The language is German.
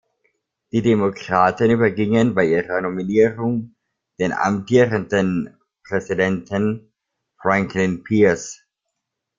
Die Demokraten übergingen bei ihrer Nominierung den amtierenden Präsidenten Franklin Pierce.